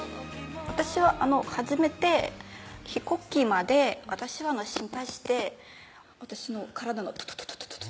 私は初めて飛行機まで私は心配して私の体の「トトトトトッ」